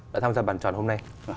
đã tham gia bàn tròn hôm nay